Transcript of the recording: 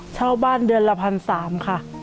เช่าบ้านเดือนละ๑๓๐๐บาทค่ะ